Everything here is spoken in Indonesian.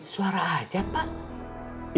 suara aja pak